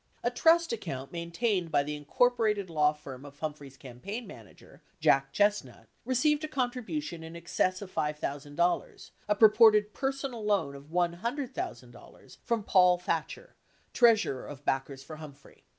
— A trust account maintained by the in corporated law firm of Humphrey's campaign manager, Jack Chestnut, received a contribution in excess of $5,000 — a purported personal loan of $100,000 from Paul Thatcher, Treasurer of Back ers for Humphrey.